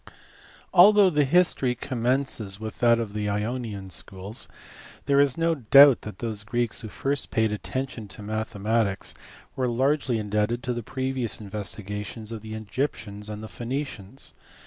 Although the history commences with that of the Ionian schools, there is no doubt that those Greeks who first paid attention to mathematics were largely indebted to the previous investigations of the Egyptians and Phoenicians.